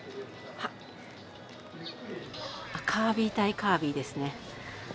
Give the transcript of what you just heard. あカービィ対カービィですね。